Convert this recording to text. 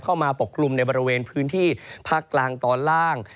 ปกกลุ่มในบริเวณพื้นที่ภาคกลางตอนล่าง